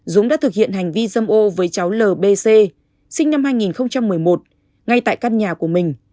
dũng đã thực hiện hành vi dâm ô với cháu lb c sinh năm hai nghìn một mươi một ngay tại căn nhà của mình